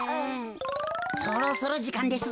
そろそろじかんですぞ。